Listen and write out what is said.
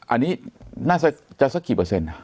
อันนี้น่าจะสักกี่เปอร์เซ็นต์